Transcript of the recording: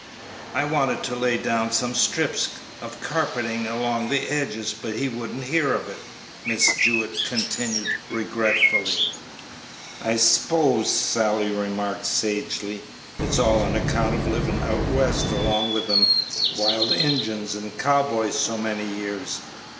"I wanted to lay down some strips of carpeting along the edges, but he wouldn't hear to it," Miss Jewett continued, regretfully. "I s'pose," Sally remarked, sagely, "it's all on account of livin' out west along with them wild Injuns and cow boys so many years.